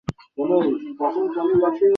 তার ছোট ভাই জুলাই মাসে মৃত্যুবরণ করে।